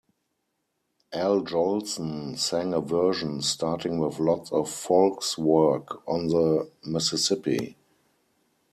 Al Jolson sang a version starting with lots of folks work on the Mississippi.